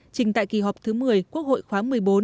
trình tại kỳ họp thứ một mươi quốc hội khóa một mươi bốn